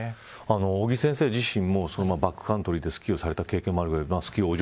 尾木先生自身もバックカントリーでスキーをされた経験がありますね。